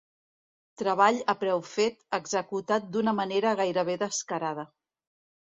Treball a preu fet, executat d'una manera gairebé descarada.